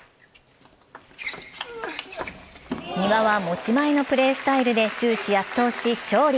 丹羽は持ち前のプレースタイルで終始圧倒し、勝利。